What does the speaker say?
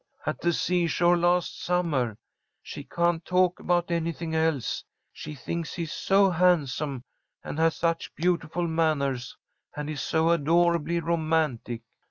"At the seashore last summer. She can't talk about anything else. She thinks he is so handsome and has such beautiful manners and is so adorably romantic.